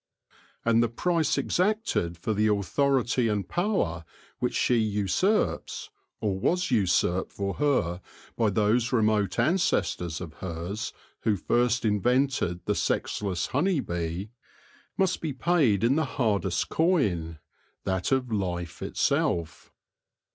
And the price exacted for the authority and power which she usurps, or was usurped for her by those remote an cestors of hers who first invented the sexless honey bee, must be paid in the hardest coin — that of life itself.